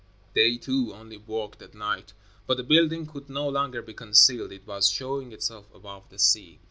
They, too, only worked at night, but the building could no longer be concealed. It was showing itself above the sea.